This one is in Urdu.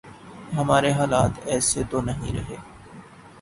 ہمارے حالات ایسے تو نہیں رہے۔